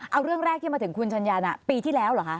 เอาเรื่องแรกที่มาถึงคุณชัญญานะปีที่แล้วเหรอคะ